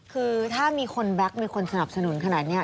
คือถ้ามีคนแบ็คมีคนสนับสนุนขนาดนี้